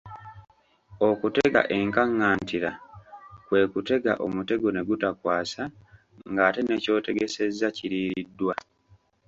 Okutega enkaŋantira kwe kutega omutego ne gutakwasa ng'ate ne ky'otegesezza kiriiriddwa.